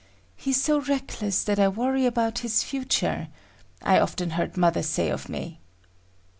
"He's so reckless that I worry about his future," I often heard mother say of me.